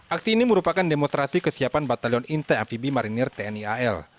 aksi ini merupakan demonstrasi kesiapan batalion intai amfibi marinir tni al